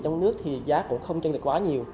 trong nước thì giá cũng không chân địch quá nhiều